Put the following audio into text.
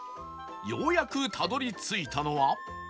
ようやくたどり着いたのは